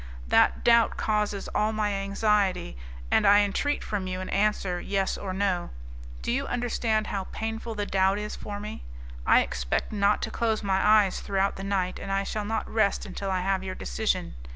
That doubt causes all my anxiety, and I entreat from you an answer, yes or no. Do you understand how painful the doubt is for me? I expect not to close my eyes throughout the night, and I shall not rest until I have your decision.